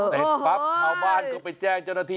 เสร็จปั๊บชาวบ้านก็ไปแจ้งเจ้าหน้าที่